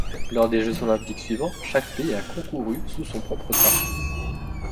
Lors des Jeux olympiques suivants, chaque pays a concouru sous son propre drapeau.